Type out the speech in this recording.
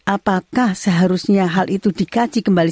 apakah seharusnya hal itu dikaji kembali